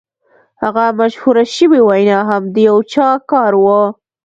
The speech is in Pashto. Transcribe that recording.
هغه مشهوره شوې وینا هم د یو چا کار و